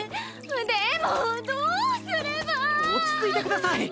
でもどうすれば⁉落ち着いてください！